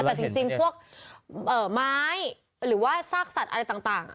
แต่จริงพวกไม้หรือว่าซากสัตว์อะไรต่าง